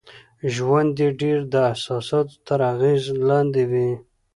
ژوند يې ډېر د احساساتو تر اغېز لاندې وي.